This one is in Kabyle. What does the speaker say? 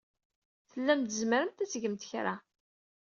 Tellamt tzemremt ad tgemt kra.